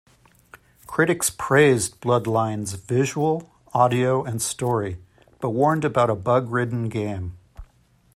Critics praised "Bloodlines" visual, audio and story but warned about a bug-ridden game.